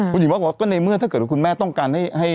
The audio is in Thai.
คุณหญิงบอกว่าก็ในเมื่อถ้าเกิดว่าคุณแม่ต้องการให้